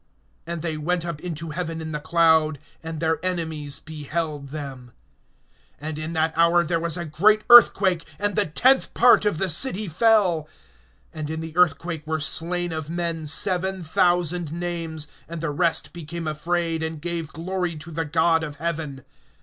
And they went up into heaven in the cloud, and their enemies beheld them. (13)And in that hour there was a great earthquake, and the tenth part of the city fell; and in the earthquake were slain of men seven thousand names; and the rest became afraid, and gave glory to the God of heaven.